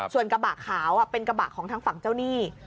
ส่วนกระบะขาวเป็นกระบะของทางฝั่งเจ้าหนี้